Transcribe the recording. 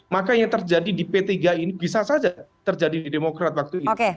maka yang terjadi di p tiga ini bisa saja terjadi di demokrat waktu itu